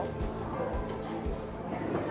rumah kamu nyusut